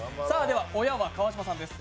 親は川島さんです。